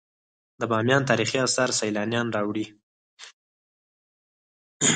د بامیان تاریخي اثار سیلانیان راوړي